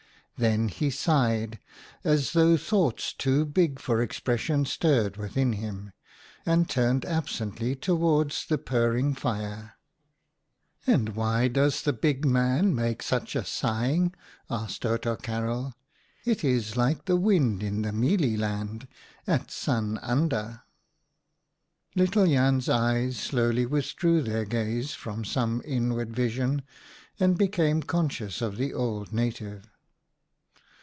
Then he sighed as though thoughts too big for expression stirred within him, and turned absently towards the purring fire. ' 'And why does the big man make such a sighing?" asked Outa Karel. "It is like the wind in the mealie land at sun under." Little Jan's eyes slowly withdrew their gaze from some inward vision and became conscious of the old native.